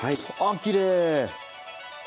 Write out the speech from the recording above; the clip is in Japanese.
あきれい！